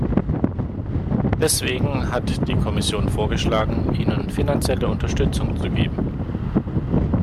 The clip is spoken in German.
Deswegen hat die Kommission vorgeschlagen, ihnen finanzielle Unterstützung zu geben.